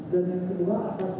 dia menguasai saksi saksi